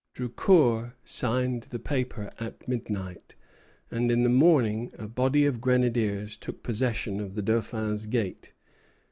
Drucour signed the paper at midnight, and in the morning a body of grenadiers took possession of the Dauphin's Gate.